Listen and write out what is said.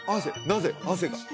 なぜ汗が？